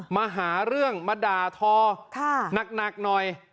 มาหาเรื่องมาด่าทอหนักหน่อย